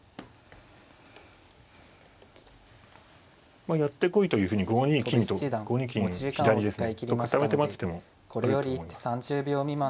まあやって来いというふうに５二金左と固めて待つ手もあると思います。